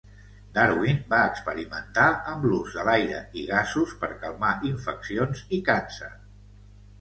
Darwin va experimentar amb l'ús de l'aire i gasos per calmar infeccions i càncer.